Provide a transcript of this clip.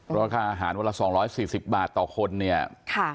เพราะค่าอาหารวันละ๒๔๐บาทต่อคนเนี่ย